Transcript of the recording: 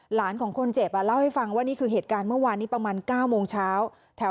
หลานของคนเจ็บเล่าให้ฟังว่านี่คือเหตุการณ์เมื่อวานนี้ประมาณ๙โมงเช้า